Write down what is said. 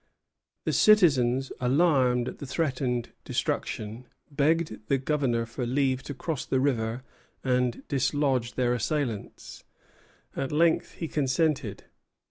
The citizens, alarmed at the threatened destruction, begged the Governor for leave to cross the river and dislodge their assailants. At length he consented.